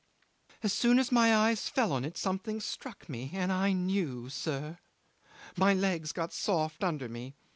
'"As soon as my eyes fell on it something struck me, and I knew, sir. My legs got soft under me.